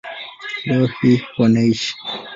Leo hii wanaishi